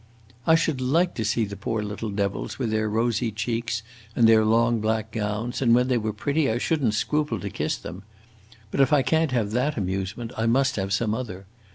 "I should like to see the poor little devils, with their rosy cheeks and their long black gowns, and when they were pretty, I should n't scruple to kiss them. But if I can't have that amusement I must have some other.